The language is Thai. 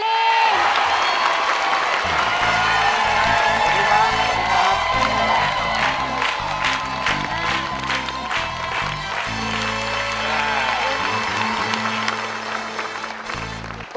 ขอบคุณครับ